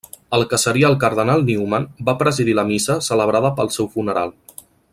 El que seria el cardenal Newman va presidir la missa celebrada pel seu funeral.